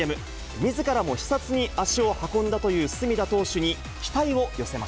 みずからも視察に足を運んだという隅田投手に期待